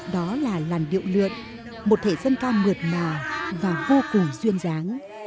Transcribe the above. đó là làn điệu luyện một thể dân ca mượt mà và vô cùng duyên dáng